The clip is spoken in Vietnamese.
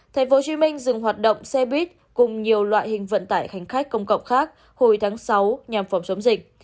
tp hcm dừng hoạt động xe buýt cùng nhiều loại hình vận tải hành khách công cộng khác hồi tháng sáu nhằm phòng chống dịch